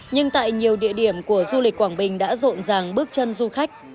nhưng tại nhiều địa điểm của du lịch quảng bình đã rộn ràng bước chân du khách